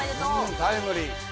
タイムリー。